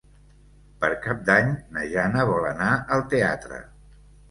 Per Cap d'Any na Jana vol anar al teatre.